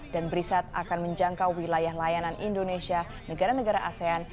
dan brisat akan menjangkau wilayah layanan indonesia negara negara asean